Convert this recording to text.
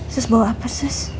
sus bawa apa sus